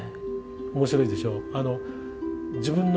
面白いでしょう？